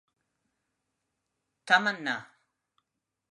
Tama na!